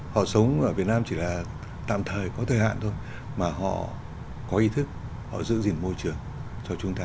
họ sống ở việt nam chỉ là tạm thời có thời hạn thôi mà họ có ý thức họ giữ gìn môi trường cho chúng ta